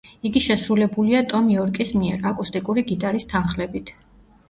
იგი შესრულებულია ტომ იორკის მიერ, აკუსტიკური გიტარის თანხლებით.